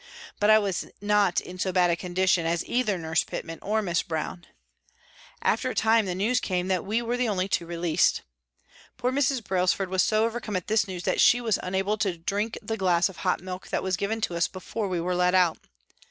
But I was not in so bad a condition as either Nurse Pitman or Miss Brown. After a time the news came that we 232 PRISONS AND PRISONERS were the only two released ! Poor Mrs. Brailsford was so overcome at this news that she was unable to drink the glass of hot milk that was given to us before we were let out.